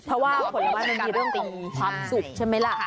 เพราะว่าผลไม้มันมีเรื่องของความสุขใช่ไหมล่ะ